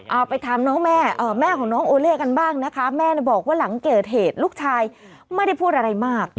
เอาไปถามน้องแม่แม่ของน้องโอเล่กันบ้างนะคะแม่บอกว่าหลังเกิดเหตุลูกชายไม่ได้พูดอะไรมาก